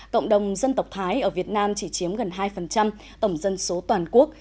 cộng đồng dân tộc thái ở việt nam chỉ chiếm gần hai tổng dân số toàn quốc